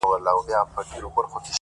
دادی اوس هم کومه” بيا کومه” بيا کومه”